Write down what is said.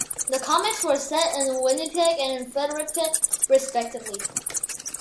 The comics were set in Winnipeg and Fredericton, respectively.